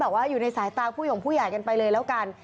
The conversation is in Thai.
ว่าอยู่ในสายตาผู้หย่งผู้ใหญ่กันไปเลยแล้วกัน